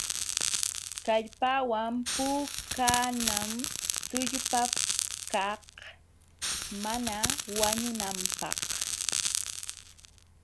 Kallpawan puukanam tullpakaq mana wañunanapq.